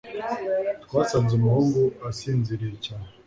twasanze umuhungu asinziriye cyane